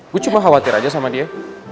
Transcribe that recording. gue cuma khawatir aja sama dia